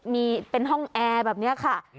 มีเป็นห้องแอร์แบบนี้ค่ะ